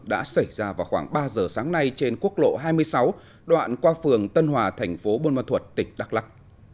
đã xảy ra vào khoảng ba giờ sáng nay trên quốc lộ hai mươi sáu đoạn qua phường tân hòa thành phố buôn ma thuật tỉnh đắk lắc